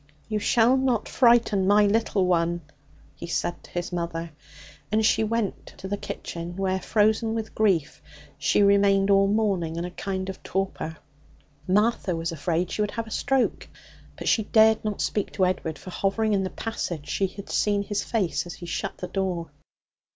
'You shall not frighten my little one!' he said to his mother; and she went to the kitchen, where, frozen with grief, she remained all morning in a kind of torpor. Martha was afraid she would have a stroke. But she dared not speak to Edward, for, hovering in the passage, she had seen his face as he shut the door.